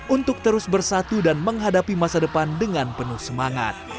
untuk terus bersatu dan menghadapi masa depan dengan penuh semangat